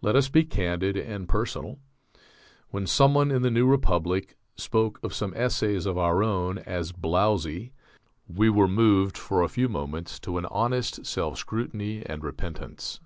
Let us be candid and personal. When someone in The New Republic spoke of some essays of our own as "blowzy" we were moved for a few moments to an honest self scrutiny and repentance.